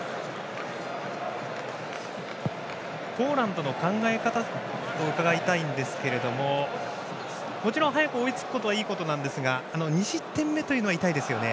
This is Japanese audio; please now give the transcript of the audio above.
ポーランドの考え方を伺いたいんですがもちろん早く追いつくのはいいことですが２失点目は痛いですよね。